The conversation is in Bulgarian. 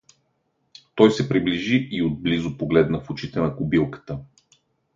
Той се приближи и отблизо погледна в очите на кобилката.